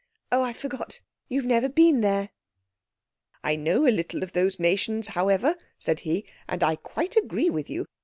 Oh, I forgot, you've never been there." "I know a little of those nations, however," said he, "and I quite agree with you.